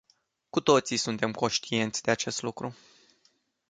Cu toții suntem conștienți de acest lucru.